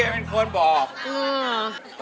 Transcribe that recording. แม็กกี้เป็นคนบอก